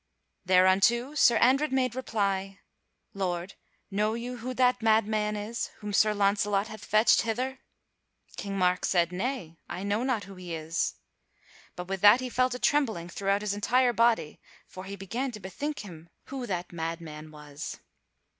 Thereunto Sir Andred made reply: "Lord, know you who that madman is whom Sir Launcelot hath fetched hither?" King Mark said, "Nay, I know not who he is." But with that he fell to trembling throughout his entire body, for he began to bethink him who that madman was.